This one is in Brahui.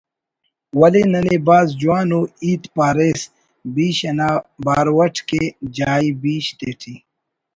ولے ننے بھاز جوان ءُ ہیت پاریس بیش انا بارو اٹ کہ جائی بیش تیٹی